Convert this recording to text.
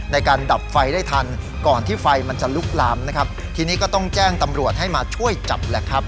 ในการดับไฟได้ทันก่อนที่ไฟมันจะลุกลามนะครับทีนี้ก็ต้องแจ้งตำรวจให้มาช่วยจับแหละครับ